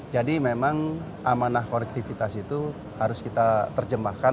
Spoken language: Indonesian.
jadi memang amanah konektivitas itu harus kita terjemahkan